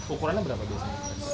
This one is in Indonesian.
ukurannya berapa biasanya